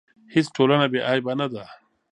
هیڅ ټولنه بې عیبه نه ده.